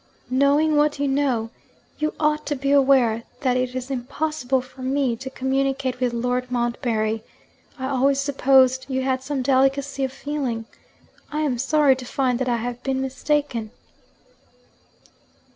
'Knowing what you know, you ought to be aware that it is impossible for me to communicate with Lord Montbarry. I always supposed you had some delicacy of feeling. I am sorry to find that I have been mistaken.'